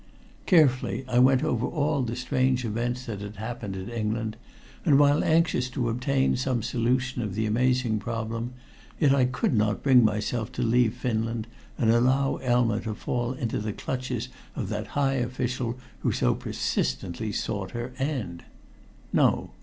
Carefully I went over all the strange events that had happened in England, and while anxious to obtain some solution of the amazing problem, yet I could not bring myself to leave Finland, and allow Elma to fall into the clutches of that high official who so persistently sought her end. No.